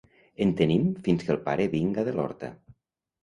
En tenim fins que el pare vinga de l'horta.